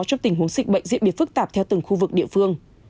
trong tình huống dịch bệnh diễn biến phức tạp theo từng khu vực địa phương